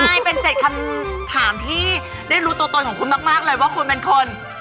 ใช่เป็น๗คำถามที่ได้รู้ตัวตนของคุณมากเลยว่าคุณเป็นคน